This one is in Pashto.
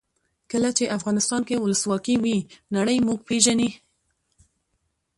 کله چې افغانستان کې ولسواکي وي نړۍ موږ پېژني.